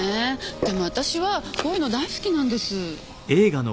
でも私はこういうの大好きなんです。